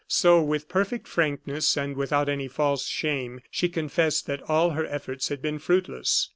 So, with perfect frankness, and without any false shame, she confessed that all her efforts had been fruitless.